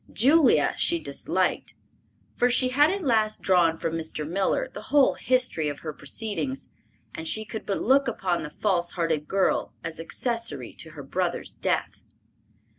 Julia she disliked, for she had at last drawn from Mr. Miller the whole history of her proceedings, and she could but look upon the false hearted girl as accessory to her brother's death.